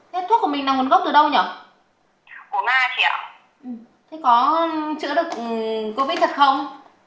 thế có chữa được covid một mươi chín thật không